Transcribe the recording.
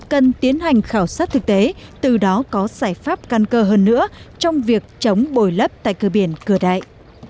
cần tiến hành khảo sát thực tế từ đó có giải pháp căn cơ hơn nữa trong việc chống bồi lấp tại cơ biển cửa đại